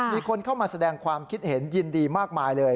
มีคนเข้ามาแสดงความคิดเห็นยินดีมากมายเลย